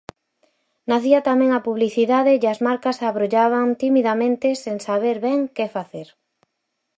Nacía tamén a publicidade e as marcas abrollaban timidamente sen saber ben que facer.